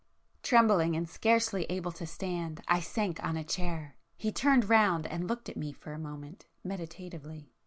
Trembling and scarcely able to stand I sank on a chair,—he turned round and looked at me for a moment meditatively.